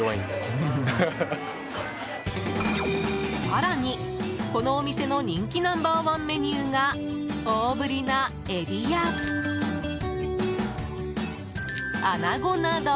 更に、このお店の人気ナンバー１メニューが大ぶりなエビやアナゴなど